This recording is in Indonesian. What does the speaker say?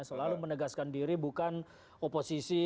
selalu menegaskan diri bukan oposisi